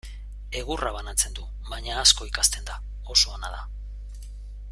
Egurra banatzen du, baina asko ikasten da, oso ona da.